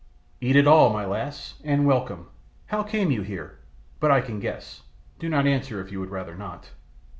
"Eat it all, my lass, and welcome. How came you here? But I can guess. Do not answer if you would rather not."